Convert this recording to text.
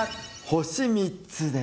星３つです。